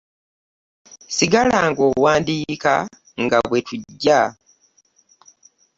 Sigala ng'owandiika nga bwe tujja.